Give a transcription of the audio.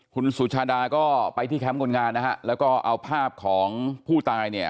คุณสุชาดาก็ไปที่แคมป์คนงานนะฮะแล้วก็เอาภาพของผู้ตายเนี่ย